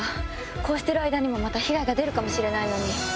こうしてる間にもまた被害が出るかもしれないのに。